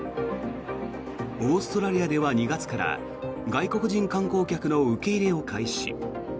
オーストラリアでは２月から外国人観光客の受け入れを開始。